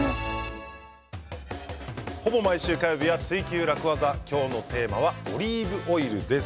ほぼ毎週火曜日は「ツイＱ楽ワザ」今日のテーマはオリーブオイルです。